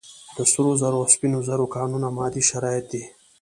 د سرو زرو او سپینو زرو کانونه مادي شرایط دي.